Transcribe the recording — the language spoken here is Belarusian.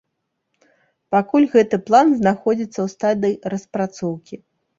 Пакуль гэты план знаходзіцца ў стадыі распрацоўкі.